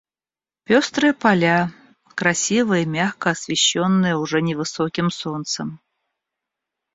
Пёстрые поля, красиво и мягко освещенные уже невысоким солнцем.